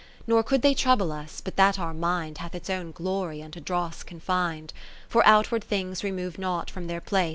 Nor could they trouble us, but that our mind Hath its own glory unto dross con fin'd, For outward things remove not from their place.